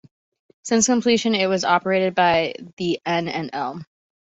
Since completion it was operated by the N and L.